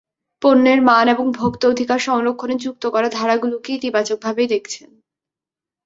পণ্যের মান এবং ভোক্তা অধিকার সংরক্ষণে যুক্ত করা ধারাগুলোকে ইতিবাচকভাবেই দেখছেন।